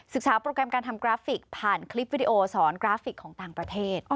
โปรแกรมการทำกราฟิกผ่านคลิปวิดีโอสอนกราฟิกของต่างประเทศ